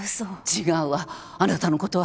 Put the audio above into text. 違うわあなたのことは。